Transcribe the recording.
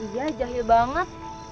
iya jahil banget